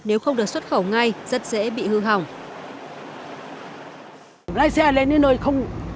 nếu không được xuất khẩu ngay rất dễ bị hư hỏng